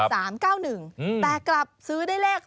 แต่กลับซื้อได้เลข